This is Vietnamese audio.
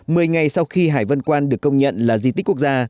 mười ngày sau khi hải vân quan được công nhận là di tích quốc gia